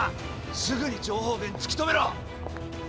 すぐに情報源突き止めろ！